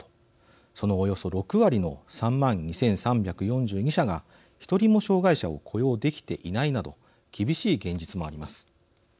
そのおよそ６割の３万２３４２社が１人も障害者を雇用できていないなど厳しい現実もあります。